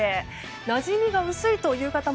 なじみが薄いという方も